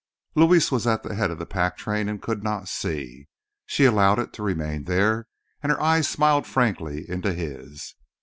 Luis was at the head of the pack train and could not see. She allowed it to remain there, and her eyes smiled frankly into his.